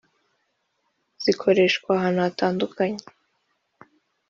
zikoreshwa ahantu hatandukanye